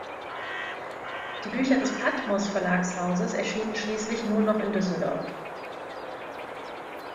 Die Bücher des Patmos Verlagshauses erschienen schließlich nur noch in Düsseldorf.